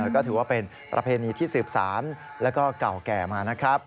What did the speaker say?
ก็ถือว่าเป็นประเพณีที่สืบสารแล้วก็เก่าแก่มานะครับ